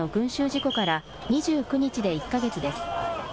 事故から２９日で１か月です。